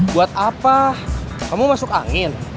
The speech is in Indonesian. buat apa kamu masuk angin